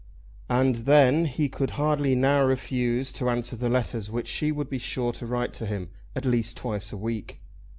And then he could hardly now refuse to answer the letters which she would be sure to write to him, at least twice a week.